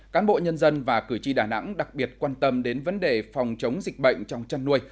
cán bộ nhân dân và cử tri đà nẵng đặc biệt quan tâm đến vấn đề phòng chống dịch bệnh trong chăn nuôi